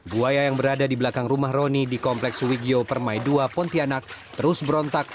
buaya yang berada di belakang rumah roni di kompleks wigio permai dua pontianak terus berontak